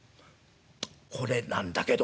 これなんだけどね」。